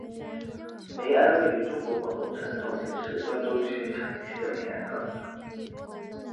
梅庵位于中国广东省肇庆市端州区城西的梅庵岗上。